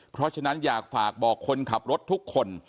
เพราะฉะนั้นอยากฝากบอกคนขับรถทุกคน